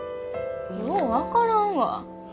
よう分からんわ。